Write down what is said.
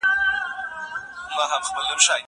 زه مخکي نان خوړلی و.